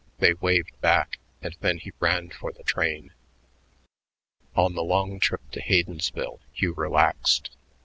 They waved back, and then he ran for the train. On the long trip to Haydensville Hugh relaxed.